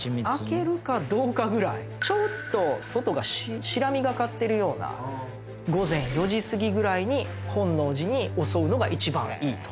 ちょっと外が白みがかってるような午前４時過ぎぐらいに本能寺に襲うのが一番いいと。